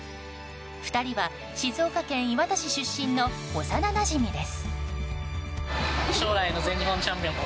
２人は静岡県磐田市出身の幼なじみです。